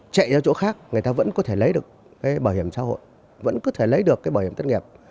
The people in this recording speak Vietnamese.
cái bảo hiểm xã hội vẫn có thể lấy được cái bảo hiểm thất nghiệp